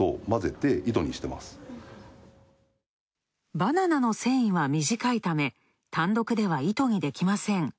バナナの繊維は短いため、単独では糸にできません。